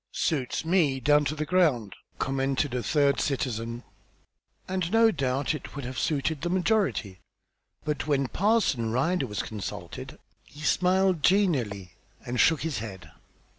"Suits me down ter the ground!" commented a third citizen; and no doubt it would have suited the majority, but when Parson Ryder was consulted, he smiled genially and shook his head.